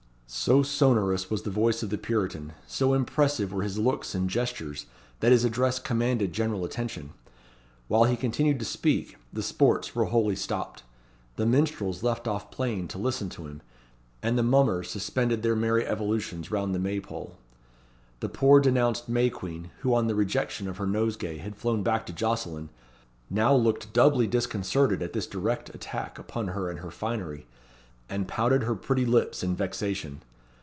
'" So sonorous was the voice of the Puritan, so impressive were his looks and gestures, that his address commanded general attention. While he continued to speak, the sports were wholly stopped. The minstrels left off playing to listen to him, and the mummers suspended their merry evolutions round the May pole. The poor denounced May Queen, who on the rejection of her nosegay had flown back to Jocelyn, now looked doubly disconcerted at this direct attack upon her and her finery, and pouted her pretty lips in vexation.